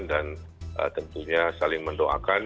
dan tentunya saling mendoakan